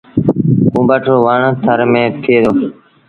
ڪُونڀٽ رو وڻ ٿر ميݩ ٿئي دو۔